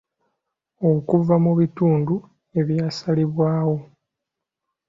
Okuva mu bitundu ebyasalibwawo.